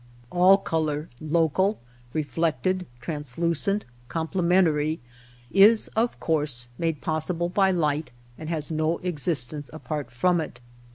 All color — local, reflected, translucent, com plementary — is, of course, made possible by light and has no existence apart from it.